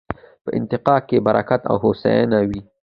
په اتفاق کې برکت او هوساينه وي